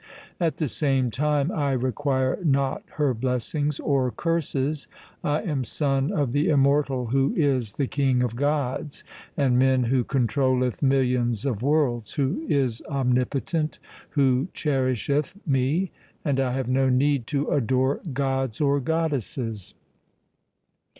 At the same time, I require not her blessings or curses. I am son of the Immortal, who is the King of gods and men, who controlleth millions of worlds, who is omnipotent, who cherisheth me ; and I have no need to adore gods or goddesses.'